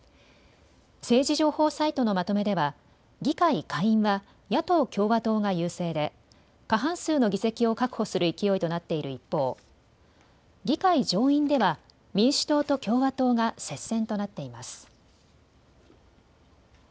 政治情報サイトのまとめでは議会下院は野党・共和党が優勢で過半数の議席を確保する勢いとなっている一方、議会上院では民主党と共和党が接戦となっています。